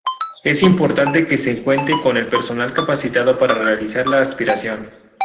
Es importante que se cuente con el personal capacitado para realizar la aspiración.